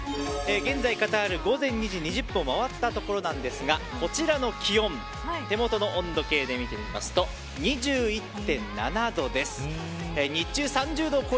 現在カタール午前２時２０分を回ったところなんですがこちらの気温手元の温度計で見てみますと２１．７度です。